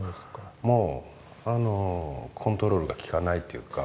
もうコントロールがきかないというか。